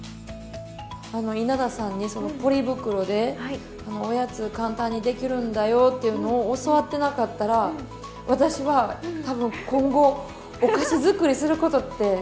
あの稲田さんにそのポリ袋でおやつ簡単にできるんだよっていうのを教わってなかったら私は多分今後お菓子づくりすることってなかった。